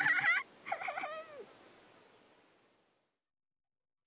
フフフ。